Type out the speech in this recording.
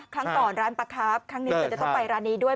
ครั้งก่อนร้านปลาครับครั้งนี้เธอจะต้องไปร้านนี้ด้วย